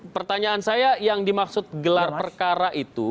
pertanyaan saya yang dimaksud gelar perkara itu